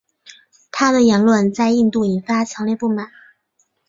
他的言论在印度引发强烈不满。